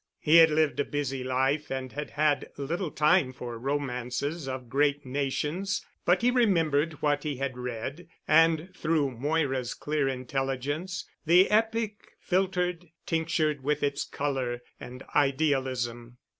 He had lived a busy life and had had little time for the romances of great nations, but he remembered what he had read and, through Moira's clear intelligence, the epic filtered, tinctured with its color and idealism.